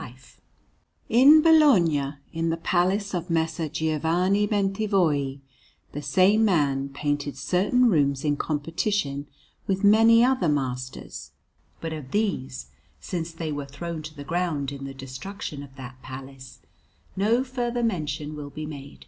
Giovanni in Monte_) Alinari] In Bologna, in the Palace of Messer Giovanni Bentivogli, the same man painted certain rooms in competition with many other masters; but of these, since they were thrown to the ground in the destruction of that palace, no further mention will be made.